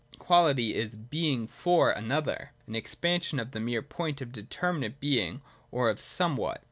Quality is Being f or another — an expansion of the mere point of Determinate Being, or of Somewhat.